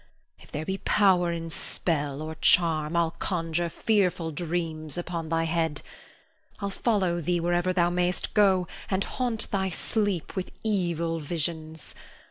If there be power in spell or charm, I'll conjure fearful dreams upon thy head. I'll follow thee wherever thou mayst go, and haunt thy sleep with evil visions.